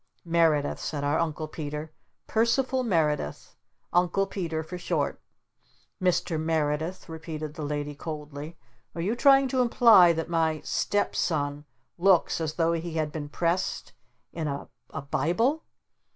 "Merredith," said our Uncle Peter. "Percival Merredith. 'Uncle Peter' for short." "Mr. Merredith," repeated the Lady coldly. "Are you trying to imply that my step son looks as though he had been pressed in a a Bible?"